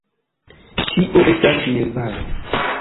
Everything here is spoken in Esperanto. Tio estas Nirvano.